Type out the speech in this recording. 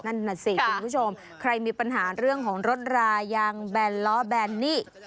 นั่นน่ะสิคุณผู้ชมใครมีปัญหาเรื่องของรถรายังแบนล้อแบนนี่